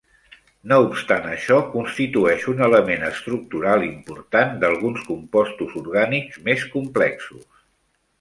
No obstant això, constitueix un element estructural important d'alguns compostos orgànics més complexos.